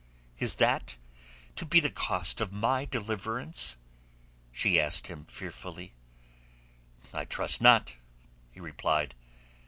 "Is that to be the cost of my deliverance?" she asked him fearfully. "I trust not," he replied.